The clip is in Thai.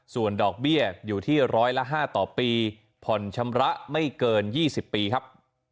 ส่วนดอกเบี้ยอยู่ที่ร้อยละ๕ต่อปีผ่อนชำระไม่เกิน๒๐ปีครับ